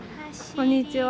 こんにちは。